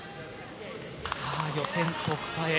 さあ、予選突破へ。